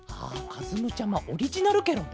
かずむちゃまオリジナルケロね。